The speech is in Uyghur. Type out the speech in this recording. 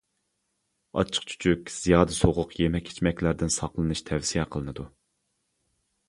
ئاچچىق-چۈچۈك، زىيادە سوغۇق يېمەك-ئىچمەكلەردىن ساقلىنىش تەۋسىيە قىلىنىدۇ.